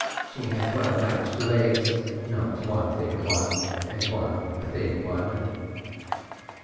She has well matched legs, not one a thick one and one a thin one."'